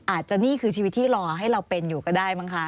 อาจจะนี่คือชีวิตที่รอให้เราเป็นอยู่ก็ได้มั้งคะ